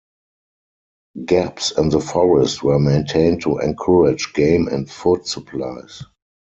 Gaps in the forest were maintained to encourage game and food supplies.